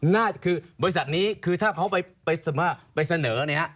น่าจะคือบริษัทนี้คือถ้าเขาไปเสนอเนี่ยฮะ